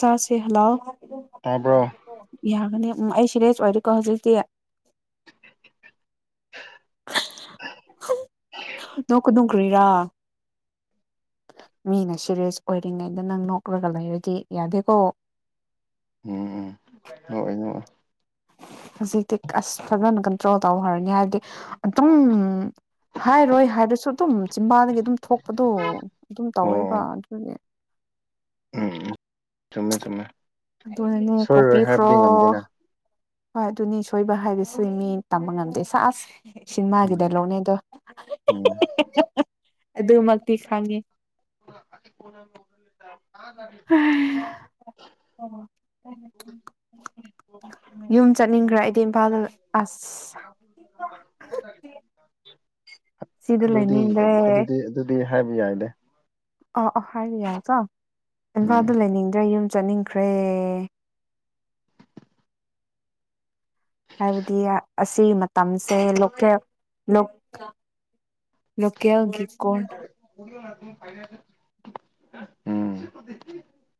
ꯆꯥꯁꯦ ꯍꯜꯂꯣ ꯇꯥꯕ꯭ꯔꯣ ꯑꯣ ꯌꯥꯒꯅꯤ ꯎꯝ ꯑꯩ ꯁꯦꯔꯤꯁ ꯑꯣꯏꯔꯦꯀꯣ ꯍꯧꯖꯤꯛꯇꯤ ꯅꯣꯡꯒꯅꯨ ꯀ꯭ꯔꯤꯔꯥ ꯃꯤꯅ ꯁꯤꯔꯤꯌꯁ ꯑꯣꯏꯔꯤꯉꯩꯗ ꯅꯪ ꯅꯣꯛꯂꯒ ꯂꯩꯔꯗꯤ ꯌꯥꯗꯦꯀꯣ ꯎꯝ ꯎꯝ ꯅꯣꯛꯑꯣꯢ ꯅꯣꯛꯑꯣꯢ ꯍꯧꯖꯤꯛꯇꯤ ꯑꯁ ꯐꯖꯅ ꯀꯟꯇ꯭ꯔꯣꯜ ꯇꯧꯈ꯭ꯔꯅꯤ ꯍꯥꯏꯕꯗꯤ ꯑꯗꯨꯝ ꯍꯥꯏꯔꯣꯏ ꯍꯥꯏꯕꯁꯨ ꯑꯗꯨꯝ ꯆꯤꯝꯕꯥꯜꯗꯒꯤ ꯑꯗꯨꯝ ꯊꯣꯛꯄꯗꯣ ꯑꯗꯨꯝ ꯑꯣ ꯇꯧꯋꯦꯕ ꯎꯝ ꯑꯗꯨꯅꯦ ꯎꯝ ꯆꯨꯝꯃꯦ ꯆꯨꯝꯃꯦ ꯑꯗꯨꯅꯅꯦ ꯁꯣꯏꯔꯣꯏ ꯀꯣꯛꯕꯤꯈ꯭ꯔꯣ ꯍꯥꯏꯕꯗꯤ ꯉꯝꯗꯦꯅ ꯍꯣꯏ ꯑꯗꯨꯅꯦ ꯁꯣꯏꯕ ꯍꯥꯏꯕꯁꯤ ꯃꯤ ꯇꯝꯕ ꯉꯝꯗꯦ ꯁꯥ ꯑꯁ ꯁꯤꯃꯥꯒ ꯎꯝ ꯗꯥꯢꯂꯣꯛꯅꯦ ꯎꯝ ꯑꯗꯨꯃꯛꯇꯤ ꯈꯪꯉꯤ ꯄꯨꯔ [inaudible] [inaudible] ꯑ [inaudible] ꯌꯨꯝ ꯆꯠꯅꯤꯡꯈ꯭ꯔ ꯑꯩꯗꯤ ꯏꯝꯐꯥꯜꯗ ꯑꯁ [inaudible] ꯁꯤꯗ ꯑꯗꯨꯗꯤ ꯂꯩꯅꯤꯡꯗ꯭ꯔꯦ ꯑꯗꯨꯗꯤ ꯑꯗꯨꯗꯤ ꯍꯥꯏꯕ ꯌꯥꯗꯦ ꯑꯥ ꯑ ꯍꯥꯏꯔꯤ ꯌꯥꯢꯀꯣ ꯎꯝ ꯏꯝꯐꯥꯜꯗ ꯂꯩꯅꯤꯡꯗ꯭ꯔꯦ ꯌꯨꯝ ꯆꯠꯅꯤꯡꯈ꯭ꯔꯦ ꯍꯥꯏꯕꯗꯤ ꯑꯁꯤ ꯃꯇꯝꯁꯦ ꯂꯣꯀꯦꯜ ꯂꯣꯀꯦꯜ ꯒꯤ ꯀꯣꯟ ꯎꯝ ꯑꯗꯨ ꯑꯣꯢꯔꯗꯤ ꯐꯩꯅꯦ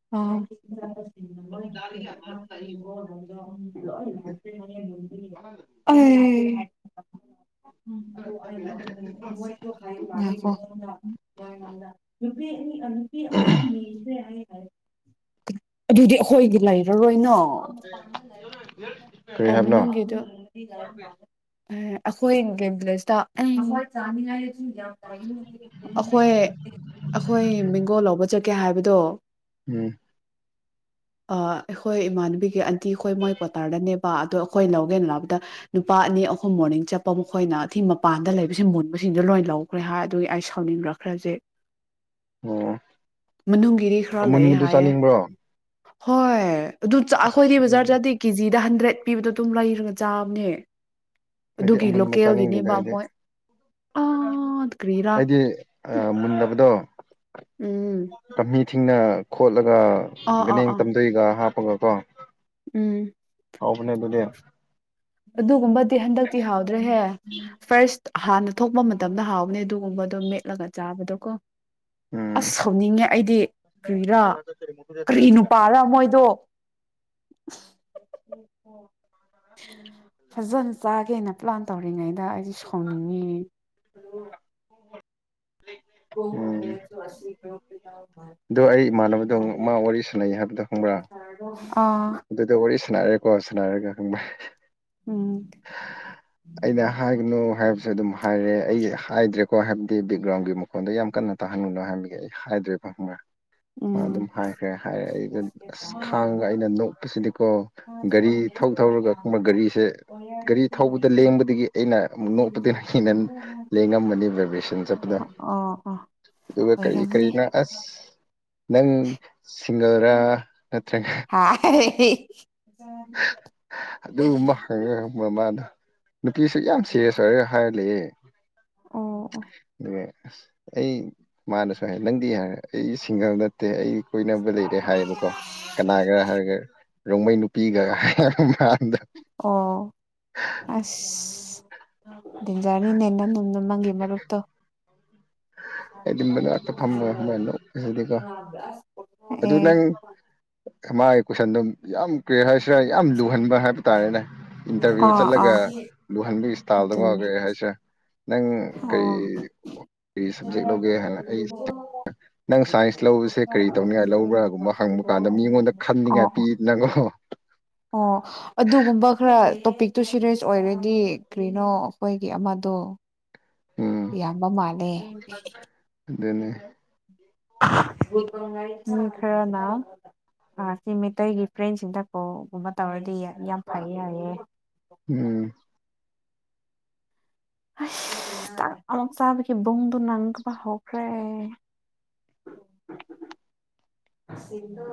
[inaudible] [inaudible] [inaudible] ꯑꯩ ꯎꯝ ꯑꯗꯨ ꯎ ꯅꯨ [inaudible] [unintelligible] ꯑ ꯑ ꯅꯅꯤꯆꯗꯦ ꯑ ꯍꯥꯏ [unintelligible] [inaudible] ꯑꯗꯨꯗꯤ ꯑꯩꯈꯣꯏꯒꯤ ꯂꯩꯔꯔꯣꯏꯅꯥ ꯀꯔꯤ ꯑꯣ ꯍꯥꯏꯕꯅꯣ ꯃꯅꯨꯒꯤꯗ ꯑꯩꯈꯣꯏꯒꯦꯝ ꯄ꯭ꯂꯁꯇ ꯑꯩꯈꯣꯏ ꯑꯩꯈꯣꯏ ꯃꯦꯡꯒꯣ ꯂꯧꯕ ꯆꯠꯀꯦ ꯍꯥꯏꯕꯗꯣ ꯎꯝ ꯑꯩꯈꯣꯏ ꯏꯃꯥꯟꯅꯕꯤꯒꯤ ꯑꯟꯇꯤ ꯑꯩꯈꯣꯏ ꯃꯣꯏ ꯀ꯭ꯋꯥꯇꯥꯔꯗꯅꯦꯕ ꯑꯗꯣ ꯑꯩꯈꯣꯏ ꯂꯧꯒꯦꯅ ꯂꯥꯛꯄꯗ ꯅꯨꯄꯥ ꯑꯅꯤ ꯑꯍꯨꯝ ꯃꯣꯔꯅꯤꯡ ꯆꯠꯄ ꯃꯈꯣꯏꯅ ꯑꯊꯤ ꯃꯄꯥꯟꯗ ꯂꯩꯕꯕꯁꯤ ꯃꯨꯟꯕꯁꯤꯡꯗꯨꯣ ꯂꯣꯏ ꯂꯧꯈ꯭ꯔꯦ ꯍꯥꯏ ꯑꯗꯨꯒꯤ ꯑꯩ ꯁꯥꯎꯅꯤꯡꯈ꯭ꯔ꯭ꯔꯦ ꯐ꯭ꯔꯖꯦ [inaudible] ꯃꯅꯨꯡꯒꯤꯗꯤ ꯈꯔ ꯂꯩ ꯑꯃꯨꯟꯕꯗꯨ ꯍꯥꯏꯌꯦ ꯆꯥꯅꯤꯡꯕ꯭ꯔꯣ ꯍꯣꯏ ꯑꯗꯨ ꯑꯩꯈꯣꯏꯗꯤ ꯕꯖꯥꯔ ꯑꯩꯗꯤ ꯆꯗꯤ ꯀꯦꯖꯤꯗ ꯍꯟꯗ꯭ꯔꯦꯠ ꯄꯤꯕꯗꯣ ꯑꯗꯨꯝ ꯂꯩꯔꯒ ꯆꯥꯕꯅꯦ ꯑꯩꯗꯤ ꯑꯗꯨꯒꯤ ꯑꯃꯨꯟꯕ ꯂꯣꯀꯦꯜꯒꯤꯅꯦ ꯆꯥꯅꯤꯡꯗꯦꯗ ꯕ ꯑꯩꯗꯤ ꯃꯣꯏ ꯑ ꯀ꯭ꯔꯤꯔꯥ ꯑꯩꯗꯤ ꯃꯨꯟꯗꯕꯗꯣ ꯎꯝ ꯄꯥꯝꯕꯤ ꯊꯤꯡꯅ ꯈꯣꯠꯂꯒ ꯑꯥ ꯑꯥ ꯒꯅꯦꯡ ꯑꯥ ꯇꯝꯗꯩꯒ ꯍꯥꯞꯄꯒ ꯀꯣ ꯎꯝ ꯍꯥꯎꯕꯅꯦ ꯑꯗꯨꯗꯤ ꯑꯗꯨꯒꯨꯝꯕꯗꯤ ꯍꯟꯗꯛꯇꯤ ꯍꯥꯎꯗ꯭ꯔꯦꯍꯦ ꯐꯥꯔꯁ ꯍꯥꯟꯅ ꯊꯣꯛꯄ ꯃꯇꯝꯗ ꯍꯥꯎꯕꯅꯦ ꯑꯗꯨꯒꯨꯝꯕꯗꯣ ꯃꯦꯠꯂꯒ ꯆꯥꯕꯗꯣꯀꯣ ꯎꯝ ꯑꯁ ꯁꯧꯅꯤꯡꯉꯦ ꯑꯩꯗꯤ ꯀꯔꯤꯔꯥ ꯀꯔꯤ ꯅꯨꯄꯥꯔ ꯃꯣꯏꯗꯣ ꯐꯖꯅ ꯆꯥꯒꯦꯅ ꯄ꯭ꯂꯥꯟ ꯇꯧꯔꯤꯉꯩꯗ ꯑꯩꯁꯦ ꯁꯥꯎꯅꯤꯡꯉꯤꯌꯦ [inaudible] ꯎꯝ [inaudible] ꯑꯗꯣ ꯑꯩ ꯏꯃꯥꯟꯅꯕꯗꯣ ꯑꯃꯨꯛ ꯃꯥ ꯋꯥꯔꯤ ꯁꯥꯟꯅꯩ ꯍꯥꯏꯕꯗꯣ ꯈꯪꯕ꯭ꯔꯥ ꯑꯥ ꯑꯗꯨꯗ ꯋꯥꯔꯤ ꯁꯥꯟꯅꯔꯦꯀꯣ ꯁꯥꯟꯔꯒ ꯈꯪꯕ ꯎꯝ [inaudible] ꯑꯩꯅ ꯍꯥꯏꯒꯅꯨ ꯍꯥꯏꯕꯁꯨ ꯑꯗꯨꯝ ꯍꯥꯏꯔꯦ ꯑꯩ ꯍꯥꯏꯗ꯭ꯔꯦꯀꯣ ꯍꯥꯏꯕꯗꯤ ꯕꯦꯛꯒ꯭ꯔꯥꯎꯟꯒꯤ ꯃꯨ ꯗ ꯌꯥꯝ ꯀꯟꯅ ꯇꯥꯍꯟꯂꯨꯅꯣ ꯍꯥꯏꯕꯒꯤ ꯑꯩ ꯍꯥꯏꯗ꯭ꯔꯦꯕ ꯈꯪꯕ꯭ꯔꯥ ꯎꯝ ꯑꯗꯨꯝ ꯍꯥꯏꯈ꯭ꯔꯦ ꯍꯥꯏꯔꯦ ꯑꯩꯗ ꯑꯁ ꯈꯥꯡꯉꯒ ꯑꯩꯅ ꯅꯣꯛ ꯄ ꯑꯁꯤꯗꯤꯀꯣ ꯒꯥꯔꯤ ꯊꯧ ꯊꯧꯔꯒ ꯈꯪꯕ ꯒꯥꯔꯤꯁꯦ ꯒꯥꯔꯤ ꯊꯧꯕꯗ ꯂꯦꯡꯕꯗꯒꯤ ꯑꯩꯅ ꯑꯃꯨꯛ ꯅꯣꯛꯄꯗꯨꯅ ꯍꯩꯅ ꯂꯦꯡꯉꯝꯃꯅꯤ ꯚꯥꯏꯕ꯭ꯔꯦꯁꯟ ꯆꯠꯄ ꯑꯗ ꯑꯣ ꯑꯣ ꯑꯗꯨꯒ ꯀꯔꯤ ꯑꯣꯏꯔꯝꯅꯤ ꯀꯔꯤꯅ ꯑꯁ ꯅꯪ ꯁꯤꯡꯒꯔꯥ ꯅꯠꯇ꯭ꯔꯦ [unintelligible] ꯑꯗꯨ ꯑꯃ ꯍꯪꯉꯒ ꯃꯃꯥꯅ ꯅꯨꯄꯤꯁꯤ ꯌꯥꯝ ꯁꯦꯔꯦꯁ ꯑꯣꯏꯔ ꯍꯥꯏꯔ ꯂꯩ ꯌꯦ ꯑꯣ ꯑꯣ ꯑꯗꯨꯒ ꯑꯩ ꯃꯥꯅꯁꯨ ꯍꯥꯏ ꯅꯪꯗꯤ ꯍꯥꯏꯔ ꯑꯩ ꯁꯤꯡꯒꯔ ꯅꯠꯇꯦ ꯑꯩ ꯀꯣꯏꯅꯕ ꯂꯩꯔꯦ ꯍꯥꯏꯌꯦꯕꯀꯣ ꯀꯅꯥꯒ ꯍꯥꯏꯔꯒ ꯔꯣꯡꯃꯩ ꯅꯨꯄꯤꯒ ꯍꯥꯏ ꯑꯣ ꯑꯁ ꯇꯤꯟꯖꯥꯔꯤꯅꯤꯅꯦ ꯅꯪ ꯅ ꯅꯪꯒꯤ ꯃꯔꯨꯞꯇꯣ ꯑꯩꯗꯤ ꯃꯅꯥꯛꯇ ꯐꯃꯃ ꯈꯪꯕ꯭ꯔ [unintelligible] [unintelligible] ꯑꯗꯨ ꯅꯪ ꯃꯥꯒꯤ ꯀꯣꯏꯁꯟꯗꯣ ꯌꯥꯝ ꯀ꯭ꯔꯤ ꯍꯥꯏꯁꯤꯔ ꯌꯥꯝ ꯂꯨꯍꯟꯕ ꯍꯥꯏꯕ ꯇꯥꯔꯦꯅꯦ ꯏꯟꯇꯔꯚꯤꯌꯨ ꯆꯠꯂꯒ ꯂꯨꯍꯟꯕꯒꯤ ꯏꯁꯇꯥꯏꯜꯗ ꯑꯃ ꯑꯗꯨꯅꯦ ꯀꯩ ꯍꯥꯏꯁꯦ ꯅꯪ ꯀꯩ ꯑꯣ ꯀꯔꯤ ꯁꯕꯖꯦꯛ ꯂꯧꯒꯦ ꯍꯥꯏꯅ ꯑꯩ ꯅꯪ ꯁꯥꯏꯟꯁ ꯂꯧꯕꯁꯦ ꯀꯔꯤ ꯇꯧꯅꯤ ꯒꯥ ꯂꯧꯕ꯭ꯔꯥꯒꯨꯝꯕ ꯍꯪꯕ ꯀꯥꯟꯗ ꯃꯤꯉꯣꯟꯗ ꯑꯣ ꯈꯟꯅꯤꯡꯉꯥꯏ ꯑꯣ ꯄꯤꯅꯉꯣ ꯑꯣ ꯑꯗꯨꯒꯨꯝ ꯕ ꯈꯔ ꯇꯣꯄꯤꯛꯇꯨ ꯁꯤꯔꯤꯌꯁ ꯑꯣꯏꯔꯗꯤ ꯀ꯭ꯔꯤꯅꯣ ꯑꯈꯣꯏꯒꯤ ꯑꯃꯗꯣ ꯎꯝ ꯏꯌꯥꯝꯕ ꯃꯥꯜꯂꯦ ꯑꯗꯨꯅꯤ ꯃꯤ ꯈꯔꯥꯅ ꯑꯥ ꯁꯤ ꯃꯩꯇꯩꯒꯤ ꯐ꯭ꯔꯦꯟꯁꯤꯡꯗ ꯀꯣꯜꯒꯨꯝꯕ ꯇꯧꯔꯗꯤ ꯌꯥꯝ ꯐꯩ ꯍꯥꯏꯌꯦ ꯎꯝ ꯑꯁ ꯆꯥꯛ ꯑꯃꯨꯛ ꯆꯥꯕꯒꯤ ꯕꯨꯡꯗꯨ ꯅꯪꯕ ꯍꯧꯈ꯭ꯔꯦ ꯁꯤꯡꯗꯣ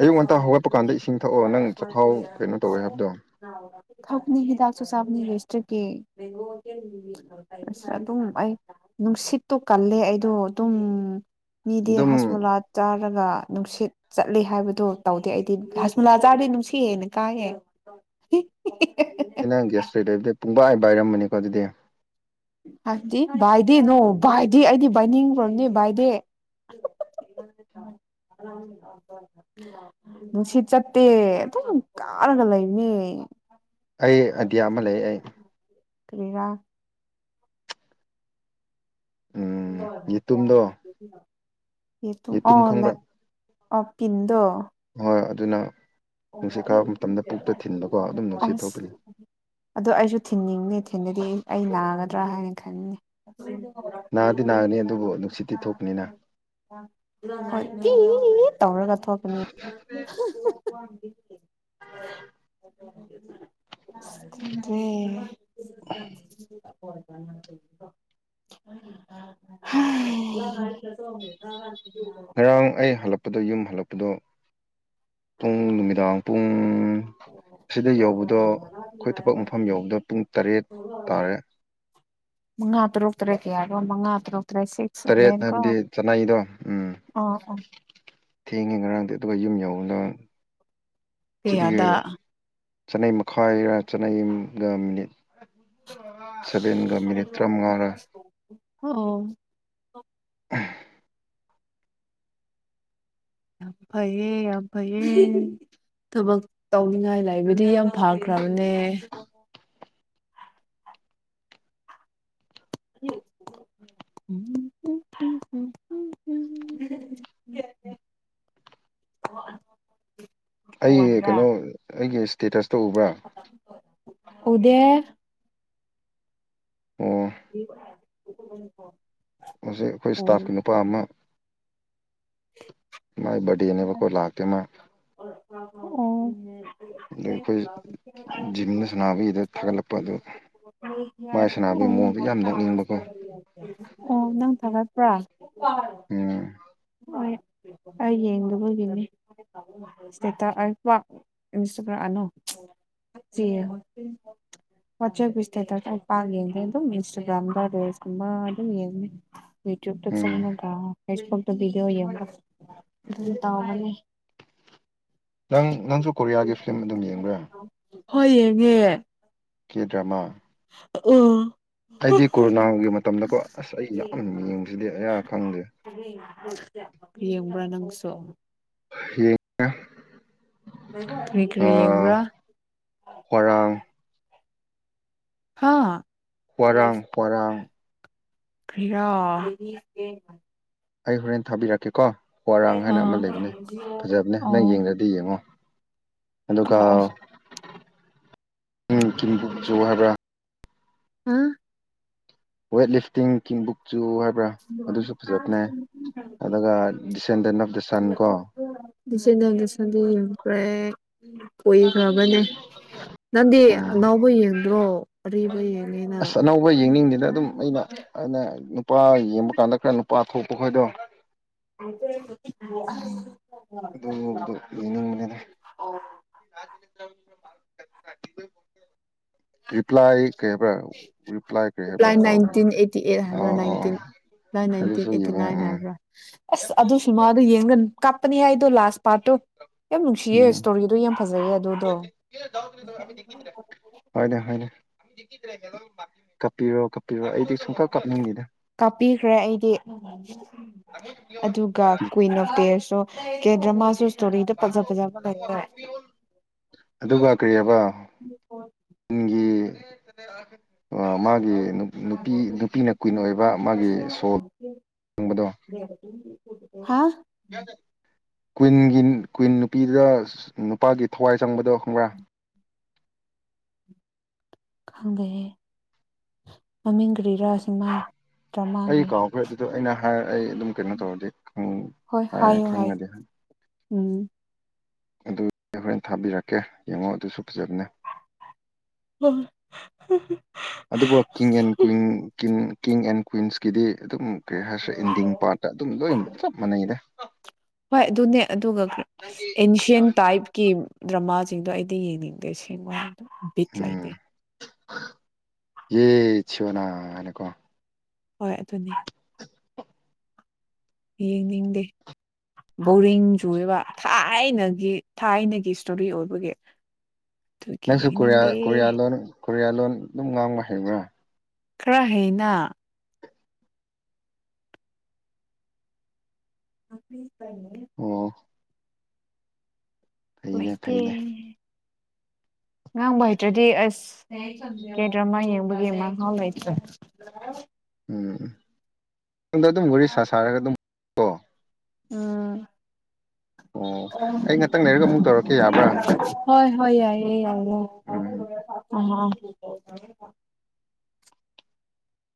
ꯑꯌꯨꯛ ꯉꯟꯇꯥ ꯍꯧꯒꯠꯄ ꯀꯥꯟꯗ ꯏꯁꯤꯡ ꯊꯛꯑꯣ ꯅꯪ ꯆꯥꯛꯈꯥꯎ ꯀꯩꯅꯣ ꯇꯧꯋꯦ ꯍꯥꯏꯕꯗꯣ ꯊꯛꯅꯤ ꯍꯤꯗꯥꯛꯁꯨ ꯆꯥꯕꯅꯤꯅꯦ ꯁꯇ꯭ꯔꯤꯛꯀꯤ ꯑꯁ ꯑꯗꯨꯝ ꯑꯩ ꯅꯨꯡꯁꯤꯠꯇꯣ ꯀꯜꯂꯦ ꯑꯩꯗꯣ ꯑꯗꯨꯝ ꯃꯤꯗꯤ ꯑꯗꯨꯝ ꯍꯁꯃꯣꯂꯥ ꯆꯥꯔꯒ ꯅꯨꯡꯁꯤꯠ ꯆꯠꯂꯤ ꯍꯥꯏꯕꯗꯣ ꯇꯧꯗꯦ ꯑꯩꯗꯤ ꯍꯖꯃꯨꯂꯥ ꯆꯥꯔꯗꯤ ꯅꯨꯡꯁꯤꯠ ꯍꯦꯟꯅ ꯀꯥꯌꯦ [unintelligible] ꯑꯩ ꯅꯪ ꯒ꯭ꯌꯥꯁꯇ꯭ꯔꯤꯛ ꯂꯩꯕꯗꯨ ꯄꯨꯡꯕꯥꯏ ꯕꯥꯏꯔꯝꯃꯅꯤꯀꯣ ꯑꯗꯨꯗꯤ ꯍꯥꯏꯗꯤ ꯚꯥꯏꯗꯦ ꯅꯣ ꯚꯥꯏꯗꯦ ꯑꯩꯗꯤ ꯚꯥꯏꯅꯤꯡꯒ꯭ꯔꯥꯕꯅꯤ ꯚꯥꯏꯗꯦ [inaudible] [unintelligible] ꯅꯨꯡꯁꯤꯠ ꯆꯠꯇꯦ ꯑꯗꯨꯝ ꯀꯥꯔꯒ ꯂꯩꯕꯅꯦ ꯑꯩ ꯑꯗꯤꯌꯥ ꯑꯃ ꯂꯩ ꯑꯩ ꯀꯔꯤꯔꯥ ꯎꯝ ꯌꯦꯇꯨꯝꯗꯣ [unintelligible] ꯌꯦꯇꯨꯝ [unintelligible] ꯑꯣ ꯄꯤꯟꯗꯣ ꯍꯣꯏ ꯑꯗꯨꯅ ꯅꯨꯡꯁꯤꯠ ꯀꯥꯕ ꯃꯇꯝꯗ ꯄꯨꯛꯇꯥ ꯊꯤꯟꯕꯀꯣ ꯑꯗꯨꯝ ꯅꯨꯡꯁꯤꯠ ꯊꯣꯛꯀꯥꯅꯤ ꯑꯗꯣ ꯑꯩꯁꯨ ꯊꯤꯟꯅꯤꯡꯉꯦ ꯊꯤꯟꯗꯗꯤ ꯑꯩ ꯑꯩ ꯅꯥꯒꯗ꯭ꯔꯥ ꯍꯥꯏꯅ ꯈꯟꯅꯤ [unintelligible] ꯅꯥꯗꯤ ꯅꯥꯒꯅꯤ ꯑꯗꯨꯕꯨ ꯅꯨꯡꯁꯤꯠꯇꯤ ꯊꯣꯛꯄꯅꯤꯅ ꯍꯣꯏ [unintelligible] ꯇꯧꯔꯒ ꯊꯣꯛꯀꯥꯅꯤ [unintelligible] ꯈꯪꯗ꯭ꯔꯦ [unintelligible] [unintelligible] [unintelligible] [unintelligible] ꯉꯔꯥꯡ ꯑꯩ ꯍꯜꯂꯛꯄꯗ ꯌꯨꯝ ꯍꯜꯂꯛꯄꯗꯣ ꯄꯨꯡ ꯅꯨꯃꯤꯗꯥꯡ ꯄꯨꯡ ꯑꯁꯤꯗ ꯌꯧꯕꯗꯣ ꯑꯈꯣꯏ ꯊꯕꯛ ꯃꯐꯝ ꯌꯧꯕꯗꯣ ꯄꯨꯡ ꯇꯔꯦꯠ ꯇꯥꯔꯦ ꯃꯉꯥ ꯇꯔꯨꯛ ꯇꯔꯦꯠ ꯌꯥꯔꯕ ꯃꯉꯥ ꯇꯔꯨꯛ ꯇꯔꯦꯠ ꯁꯤ ꯇꯔꯦꯠ ꯍꯥꯏꯕꯗꯤ ꯆꯅꯥꯏꯗꯣ ꯎꯝ ꯑꯣ ꯑꯣ ꯊꯦꯡꯉꯦ ꯉꯔꯥꯡꯗꯤ ꯑꯗꯨꯒ ꯌꯨꯝ ꯌꯧꯅ ꯆꯤꯗꯤꯒ ꯀꯌꯥꯗ ꯆꯥꯅꯩ ꯃꯈꯥꯏꯔ ꯆꯥꯅꯩ ꯒꯥ ꯃꯤꯅꯤꯠ [inaudible] ꯁꯚꯦꯟꯒꯥ ꯃꯤꯅꯤꯠ ꯇ꯭ꯔꯥ ꯃꯉꯥꯔꯥ ꯑꯣ [unintelligible] ꯐꯩꯌꯦ ꯌꯥꯝ ꯐꯩꯌꯦ ꯊꯕꯛ ꯇꯧꯅꯤꯡꯉꯥꯏ ꯂꯩꯕꯗꯤ ꯌꯥꯝ ꯐꯈ꯭ꯔꯕꯅꯦ [unintelligible] [inaudible] ꯑꯩ ꯀꯩꯅꯣ ꯑꯩꯒꯤ ꯏꯁ꯭ꯇꯦꯇꯁꯇꯣ ꯎꯕ꯭ꯔꯥ ꯎꯗꯦ ꯑꯣ [unintelligible] ꯍꯧꯖꯤꯛ ꯑꯩꯈꯣꯏ ꯑꯣ ꯏꯁꯇꯥꯐꯀꯤ ꯅꯨꯄꯥ ꯑꯃ [unintelligible] ꯃꯥꯏ ꯕꯔꯗꯦꯅꯦꯕꯀꯣ ꯂꯥꯛꯇꯦ ꯃꯥ ꯑꯣ ꯑꯗꯨ ꯑꯩꯈꯣꯏ ꯖꯤꯝꯅ [unintelligible] ꯁꯥꯟꯅꯕꯒꯤꯗ ꯊꯥꯒꯠꯂꯛꯄ ꯑꯗꯨ [unintelligible] ꯃꯥꯏ ꯁꯥꯟꯅꯕꯒꯤ ꯃꯑꯣꯡꯗꯣ ꯌꯥꯝ ꯅꯣꯛꯅꯤꯡꯕꯀꯣ ꯎꯝ ꯑꯣ ꯅꯪ ꯊꯒꯠꯄ꯭ꯔꯥ ꯎꯝ ꯑꯣ ꯑꯩ ꯌꯦꯡ ꯌꯦꯛꯗꯕꯒꯤꯅꯦ ꯏꯁꯇꯦꯇꯁ ꯄꯥꯛ [unintelligible] ꯀꯣꯛ ꯆꯤꯛꯑꯦ ꯋꯥꯆꯦꯞ ꯏꯁꯇꯦꯇꯁ ꯑꯩ ꯄꯥꯛ ꯌꯦꯡꯗꯦ ꯑꯗꯨꯝ ꯏꯟꯁꯇꯒ꯭ꯔꯥꯝꯗꯥ ꯔꯤꯜꯁ ꯀꯨꯝꯕ ꯑꯗꯨꯝ ꯌꯦꯡꯕꯅꯦ [unintelligible] ꯌꯨꯇ꯭ꯌꯨꯚꯇ ꯎꯝ ꯆꯪꯉꯒ ꯐꯦꯁꯕꯨꯛꯇ ꯕꯤꯗꯤꯌꯣ ꯌꯦꯡꯔꯒ ꯑꯗꯨꯝ ꯇꯧꯕꯅꯦ ꯅꯪ ꯅꯪꯁꯨ ꯀꯣꯔꯤꯌꯥꯒꯤ ꯐꯤꯂꯝ ꯑꯗꯨꯝ ꯌꯦꯡꯕ꯭ꯔꯥ ꯍꯣꯏ ꯌꯦꯡꯉꯦ ꯀꯦ ꯗ꯭ꯔꯃꯥ ꯑ ꯑꯩꯗꯤ ꯀꯣꯔꯣꯅꯥꯒꯤ ꯃꯇꯝꯗꯀꯣ ꯑꯁ ꯑꯩ ꯌꯥꯝ ꯌꯦꯡꯕꯁꯤꯗꯤ ꯑꯌꯥ ꯈꯪꯗꯦ ꯌꯦꯡꯕ꯭ꯔꯥ ꯅꯪꯁꯨ ꯌꯦꯡꯉꯦ ꯀ꯭ꯔꯤ ꯀ꯭ꯔꯤ ꯌꯦꯡꯕ꯭ꯔꯥ ꯍ꯭ꯣꯋꯔꯥꯡ ꯍꯥ ꯍ꯭ꯋꯥꯔꯥꯡ ꯍ꯭ꯋꯥꯔꯥꯡ ꯀꯔꯤꯔꯥ ꯑꯩ ꯍꯣꯔꯦꯟ ꯊꯥꯕꯤꯔꯛꯀꯦꯀꯣ ꯍ꯭ꯋꯥꯔꯥꯡ ꯍꯥꯏꯅ ꯑꯃ ꯑꯥ ꯂꯩꯕꯅꯦ ꯐꯖꯕꯅꯦ ꯅꯪ ꯑꯣ ꯑꯣ ꯌꯦꯡꯗꯔ ꯗꯤ ꯌꯦꯡꯉꯣ ꯑꯗꯨꯒ ꯑꯣ ꯎꯝ ꯀꯤꯝ ꯕꯣꯛ ꯆꯨ ꯍꯥꯏꯕ꯭ꯔ ꯍꯥ ꯋꯦꯠ ꯂꯤꯐꯇꯤꯡ ꯀꯤꯝ ꯕꯨꯛꯆꯨ ꯍꯥꯏ ꯭ꯕ꯭ꯔꯥ ꯑꯗꯨꯁꯨ ꯐꯖꯕꯅꯦ ꯑꯗꯨꯒ ꯗꯤꯁꯦꯟꯗꯦꯟ ꯑꯣꯐ ꯗ ꯁꯟ ꯀꯣ ꯗꯤꯁꯦꯟꯗꯦꯟ ꯑꯣꯐ ꯗ ꯁꯟꯗꯤ ꯌꯦꯡꯈ꯭ꯔꯦ ꯀꯨꯏꯈ꯭ꯔꯕꯅꯦ ꯅꯪꯗꯤ ꯑꯅꯧꯕ ꯌꯦꯡꯗ꯭ꯔꯣ ꯑꯔꯤꯕ ꯌꯦꯡꯉꯤꯅ ꯌꯦꯅꯤꯡꯗꯦꯗ ꯑꯗꯨꯝ ꯑꯩꯅ ꯑꯩꯅ ꯅꯨꯄꯥ ꯌꯦꯡꯕ ꯀꯥꯟꯗ ꯈꯔ ꯅꯨꯄꯥ ꯊꯣꯛꯄ ꯈꯣꯏꯗꯣ ꯑꯁ ꯑꯗꯨꯒꯨꯝꯕꯗꯣ ꯌꯦꯡꯅꯤꯡꯕꯅꯤꯅꯦ ꯔꯤꯄ꯭ꯂꯥꯏ ꯀꯩ ꯍꯥꯏꯕꯔ ꯔꯤꯄ꯭ꯂꯥꯏ ꯀꯩ ꯍꯥꯏꯕ꯭ꯔ ꯑꯦꯄ꯭ꯂꯥꯏ ꯀꯥꯎꯒꯔꯦ ꯑꯣ ꯑꯣ ꯑꯣ ꯅꯥꯏ ꯅꯥꯏꯟꯇꯤꯟ ꯑꯗꯨꯁꯨ ꯑꯦꯇꯤ ꯌꯦꯡꯉꯦ ꯅꯥꯏꯟ ꯎꯝ ꯍꯥꯏꯕ꯭ꯔꯥ ꯑꯁ ꯑꯗꯨꯁꯨ ꯁꯤꯃꯥꯗꯨ ꯌꯦꯡꯒꯟ ꯀꯞꯄꯅꯤꯍꯦ ꯑꯩꯗꯣ ꯂꯥꯁ ꯄꯥꯔꯠꯇꯨ ꯌꯥꯝ ꯅꯨꯡꯁꯤꯌꯦ ꯎꯝ ꯏꯁꯇꯣꯔꯤꯗꯣ ꯌꯥꯝ ꯐꯖꯩꯌꯦ ꯑꯗꯨꯗꯣ ꯍꯥꯏꯅꯦ ꯍꯣꯏꯅꯦ ꯀꯞꯄꯤꯔꯣ ꯀꯞꯄꯤꯔꯣ ꯑꯩꯗꯤ ꯁꯨꯡꯀꯞ ꯀꯞꯅꯤꯡꯗꯦꯗ ꯀꯥꯞꯄꯤꯈ꯭ꯔꯦ ꯑꯩꯗꯤ ꯑꯗꯨ ꯒ ꯀ꯭ꯋꯤꯏꯟ ꯑꯣꯐ ꯇꯤꯌꯔꯁꯣ ꯀꯦꯗ꯭ꯔꯃꯥꯁꯨ ꯑꯗꯨꯒ ꯀꯔꯤ ꯍꯥꯏꯕ [unintelligible] ꯅꯤꯡꯒꯤ ꯑ ꯃꯥꯒꯤ ꯅꯨꯞ ꯅꯨꯄꯤ ꯅꯨꯄꯤꯅ ꯀ꯭ꯌꯨꯏꯟ ꯑꯣꯏꯕ ꯃꯥꯒꯤ ꯁꯣꯜ ꯇꯨꯡꯕꯗꯣ ꯍꯥ ꯀ꯭ꯌꯨꯏꯟꯒꯤ ꯀ꯭ꯌꯨꯏꯟ ꯅꯨꯄꯤꯗꯨꯗ ꯅꯨꯄꯥꯒꯤ ꯊꯋꯥꯏ ꯆꯪꯕꯗꯣ ꯈꯪꯕ꯭ꯔꯥ ꯈꯪꯗꯦꯍꯦ ꯃꯃꯤꯡ ꯀ꯭ꯔꯤꯔꯥ ꯁꯤꯃꯥ ꯑꯩ ꯗ꯭ꯔꯃꯥꯒꯤ ꯀꯥꯎꯈ꯭ꯔꯦ ꯑꯗꯨꯗꯣ ꯑꯩꯅ ꯍꯥꯏ ꯑꯩ ꯑꯗꯨꯝ ꯀꯩꯅꯣ ꯇꯧꯔꯗꯤ ꯎꯝ ꯍꯣꯏ ꯑꯥꯏ ꯍꯥꯏꯌꯣ ꯍꯥꯏꯌꯣ ꯈꯪꯂꯗꯤ ꯎꯝ ꯑꯗꯨ ꯍꯣꯔꯦꯟ ꯊꯥꯕꯤꯔꯛꯀꯦ ꯌꯦꯡꯉꯣ ꯑꯗꯨꯁꯨ ꯐꯖꯕꯅꯦ [unintelligible] ꯑꯗꯨꯕꯨ king and queen king king and queens ꯀꯤꯗꯤ ꯑꯗꯨꯝ ꯀꯩ ꯍꯥꯏꯁꯦ ꯑꯦꯟꯗꯤꯡ ꯄꯥꯔꯠꯇ ꯇꯨꯝ ꯂꯣꯏꯅ ꯆꯞ ꯃꯥꯟꯅꯩꯗ ꯍꯣꯏ ꯑꯗꯨꯅꯦ ꯑꯗꯨꯒ ꯈ꯭ꯔ ꯑꯦꯟꯁꯤꯌꯟ ꯇꯥꯏꯞ ꯀꯤ ꯗ꯭ꯔꯃꯥꯁꯤꯡꯗꯣ ꯑꯩꯗꯤ ꯌꯦꯡꯅꯤꯡꯗꯦ ꯑꯁꯦꯡꯕ ꯍꯥꯏꯗꯣ ꯎꯝ ꯌꯦ ꯁꯣꯅꯥ ꯍꯥꯏꯅꯀꯣ ꯍꯣꯏ ꯑꯗꯨꯅꯤ ꯌꯦꯡꯅꯤꯡꯗꯦ ꯕꯣꯔꯤꯡ ꯆꯨꯌꯦꯕ ꯊꯥꯏꯅꯒꯤ ꯊꯥꯏꯅꯒꯤ ꯏꯁꯇꯣꯔꯤ ꯑꯣꯏꯕꯒꯤ ꯑꯗꯨꯒꯤ ꯅꯪꯁꯨ ꯀꯣꯔꯤꯌꯥ ꯌꯦꯡꯅꯤꯡꯗꯦ ꯀꯣꯔꯤꯌꯥ ꯂꯣꯟ ꯀꯣꯔꯤꯌꯥ ꯂꯣꯟ ꯑꯗꯨꯝ ꯉꯥꯡꯕ ꯍꯩꯕ꯭ꯔꯥ ꯈꯔ ꯍꯩꯅ [unintelligible] ꯑꯣ ꯐꯩꯅꯦ ꯐꯩꯅꯦ ꯃꯩꯁꯇꯦ ꯉꯥꯡꯕ ꯍꯩꯇ꯭ꯔꯗꯤ ꯑꯁ ꯀꯦꯗ꯭ꯔꯃꯥ ꯌꯦꯡꯕꯒꯤ ꯃꯍꯥꯎ ꯂꯩꯇ꯭ꯔꯦ ꯎꯝ ꯎꯝ ꯇꯨꯝꯗ ꯑꯗꯨꯝ ꯂꯣꯏꯔꯦ ꯁꯥ ꯁꯥꯔꯒ ꯑꯗꯨꯝꯇꯣ ꯎꯝ ꯑꯣ ꯑꯩ ꯉꯥꯛꯇꯪ ꯂꯩꯔꯒ ꯑꯃꯨꯛ ꯇꯧꯔꯛꯀꯦ ꯌꯥꯕ꯭ꯔꯥ ꯍꯣꯏ ꯍꯣꯏ ꯌꯥꯏꯌꯦ ꯌꯥꯏꯌꯦ ꯎꯝ ꯑ